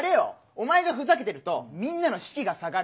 お前がふざけてるとみんなの士気が下がるんだよ。